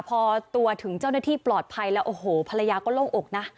พอตัวถึงเจ้าหน้าที่ปลอดภัยแล้วโอ้โหภรรยาก็โล่งอกนะ